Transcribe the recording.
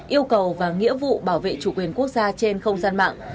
yêu cầu và nghĩa vụ bảo vệ chủ quyền quốc gia trên không gian mạng